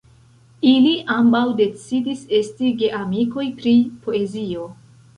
Ili ambaŭ decidis esti geamikoj pri poezio.